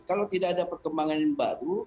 kalau tidak ada perkembangan yang baru